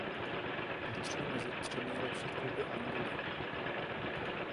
Patří mezi tři nejlepší kluby Angoly.